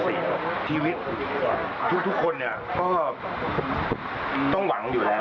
ชีวิตทุกคนเนี่ยก็ต้องหวังอยู่แล้ว